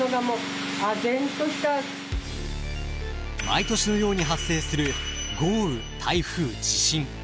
毎年のように発生する豪雨台風地震。